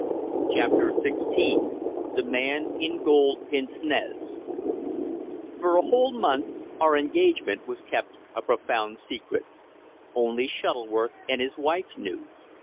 CHAPTER SIXTEEN THE MAN IN GOLD PINCE NEZ For a whole month our engagement was kept a profound secret. Only Shuttleworth and his wife knew.